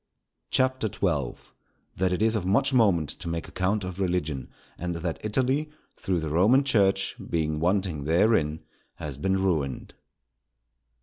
CHAPTER XII.—That it is of much moment to make account of Religion; and that Italy, through the Roman Church, being wanting therein, has been ruined.